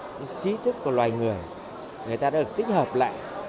những trí thức của loài người người ta đã được tích hợp lại